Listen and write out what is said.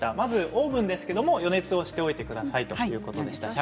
オーブンですが予熱をしておいてくださいということでした。